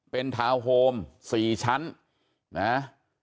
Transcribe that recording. เป็นทาวน์โฮม๔ชั้นนะ